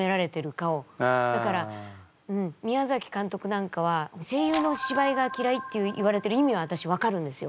だから宮崎監督なんかは声優の芝居がきらいって言われてる意味は私分かるんですよ。